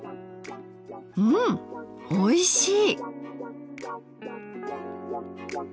うんおいしい！